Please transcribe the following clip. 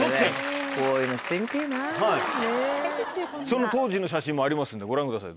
その当時の写真もありますんでご覧ください